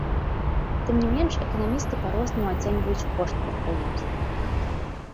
Тым не менш, эканамісты па-рознаму ацэньваюць кошт прадпрыемства.